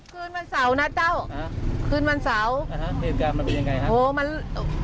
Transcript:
คืนวันเสาร์นะเจ้าอ่าคืนวันเสาร์อ่าฮะเหตุการณ์มันเป็นยังไงฮะโอ้มัน